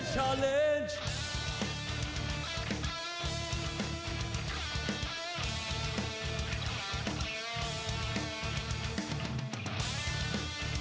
โชคชัยต้องเอหน่อยได้ครับ